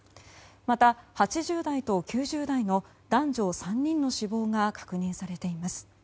また、８０代と９０代の男女３人の死亡が確認されています。